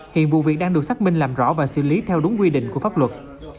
hiện vụ việc đang được xác minh làm rõ và xử lý theo đúng quy định của pháp luật